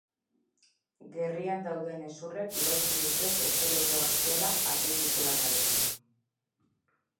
Gerrian dauden hezurrek lotzen dute eskeleto axiala apendikularrarekin.